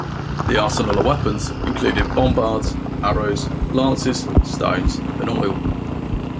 The arsenal of weapons included bombards, arrows, lances, stones and oil.